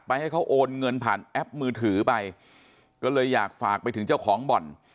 ให้เขาโอนเงินผ่านแอปมือถือไปก็เลยอยากฝากไปถึงเจ้าของบ่อน